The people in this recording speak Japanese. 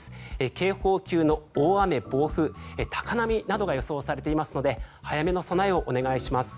警報級の大雨、暴風、高波などが予想されていますので早めの備えをお願いします。